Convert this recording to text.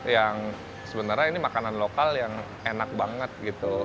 yang sebenarnya ini makanan lokal yang enak banget gitu